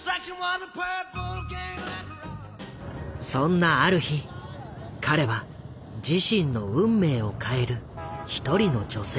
そんなある日彼は自身の運命を変える一人の女性と出会う。